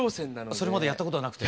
それまでやったことはなくて？